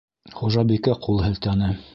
Хужабикә ҡул һелтәне.